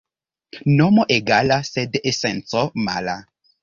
Nomo egala, sed esenco mala.